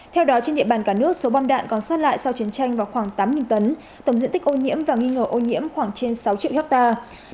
theo đó trên địa bàn cả nước số bom đạn còn xót lại sau chiến tranh vào khoảng tám tấn tổng diện tích ô nhiễm và nghi ngờ ô nhiễm khoảng trên sáu triệu hectare